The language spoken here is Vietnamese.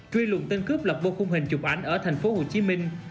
truy lụng tên cướp lập vô khung hình chụp ảnh ở thành phố hồ chí minh